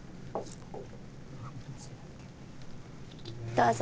どうぞ。